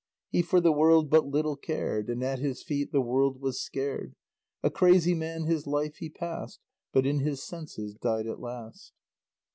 He for the world but little cared; And at his feats the world was scared; A crazy man his life he passed, But in his senses died at last.